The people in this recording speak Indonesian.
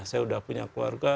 saya sudah punya keluarga